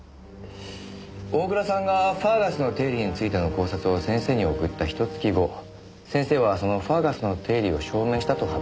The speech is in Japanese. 大倉さんがファーガスの定理についての考察を先生に送ったひと月後先生はそのファーガスの定理を証明したと発表した。